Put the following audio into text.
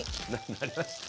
なりました？